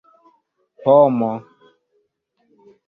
pomo